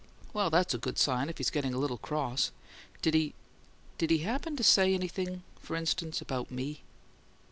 "Well, that's a good sign, if he's getting a little cross. Did he did he happen to say anything for instance, about me?"